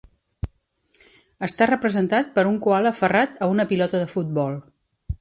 Està representat per un coala aferrat a una pilota de futbol.